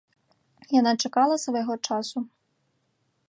Яна чакала свайго часу.